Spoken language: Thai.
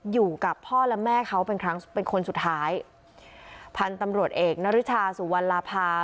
อยู่กับพ่อและแม่เขาเป็นครั้งเป็นคนสุดท้ายพันธุ์ตำรวจเอกนริชาสุวรรณลาภา